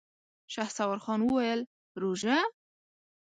شهسوار خان وويل: روژه؟!